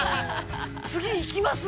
次行きます。